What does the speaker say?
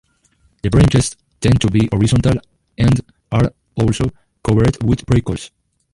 The branches tend to be horizontal and are also covered with prickles.